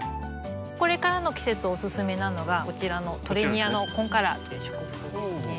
これからの季節おすすめなのがこちらのトレニアのコンカラーという植物ですね。